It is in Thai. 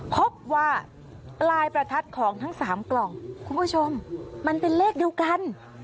พบว่าปลายประทัดของทั้ง๓กล่องคุณผู้ชมมันเป็นเลขเดียวกัน